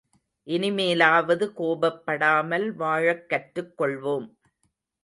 இனிமேலாவது கோபப்படாமல் வாழக் கற்றுக் கொள்வோம்.